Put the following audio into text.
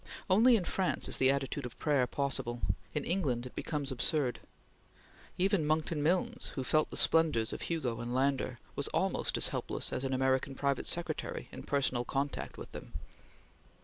Only in France is the attitude of prayer possible; in England it became absurd. Even Monckton Milnes, who felt the splendors of Hugo and Landor, was almost as helpless as an American private secretary in personal contact with them.